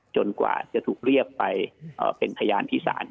จนกว่าจะถูกเรียบไปเป็นพยานพิสาร